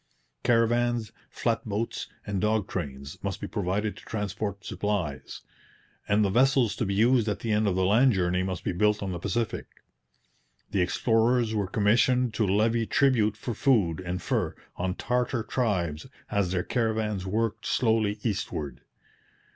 Caravans, flat boats, and dog trains must be provided to transport supplies; and the vessels to be used at the end of the land journey must be built on the Pacific. The explorers were commissioned to levy tribute for food and fur on Tartar tribes as their caravans worked slowly eastward.